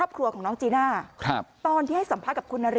พวกมันต้องคุ้มของคนให้ไปหรอ